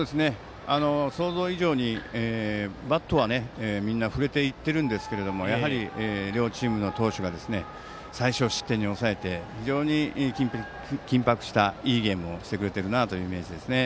想像以上にバットはみんな振れているんですけどやはり、両チームの投手が最少失点に抑えて、非常に緊迫したいいゲームをしてくれているイメージですね。